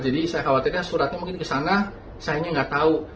jadi saya khawatirnya suratnya mungkin ke sana sayangnya nggak tahu